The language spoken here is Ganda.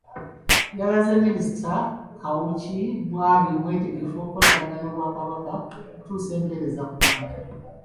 Yalaze Minisita Kawuki bw'ali omwetegefu okukolagana n'Obwakabaka okutuusa empeereza ku bantu